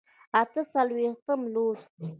اته څلوېښتم لوست